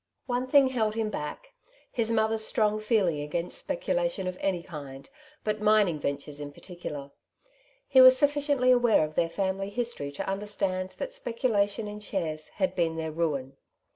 One thing held him back, his mother's strong feel ing against speculation of any kind, but mining Temptation, 113 ventures in particular. He was sufficiently aware of their family history to understand that speculation in shares had been their ruin.